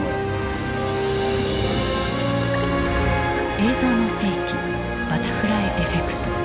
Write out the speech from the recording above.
「映像の世紀バタフライエフェクト」。